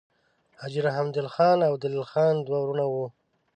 حاجي رحمدل خان او دلیل خان دوه وړونه وه.